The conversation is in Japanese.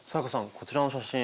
こちらの写真。